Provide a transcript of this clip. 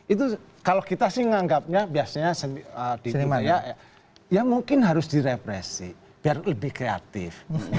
itu kalau kita sih menganggapnya biasanya ya mungkin harus direpresi biar lebih kreatif